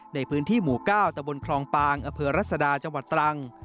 ในพื้นที่หมู่๙ตะบนคลองปางอำเภอรัศดาจังหวัดตรัง